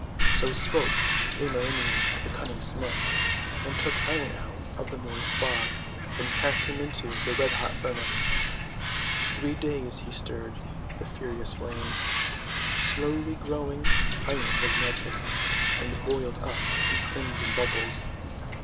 So spoke Ilmarinen the Cunning Smith, and took Iron out of the moist bog, and cast him into the red hot furnace. Three days he stirred the furious flames. Slowly glowing Iron was melted, and boiled up in crimson bubbles.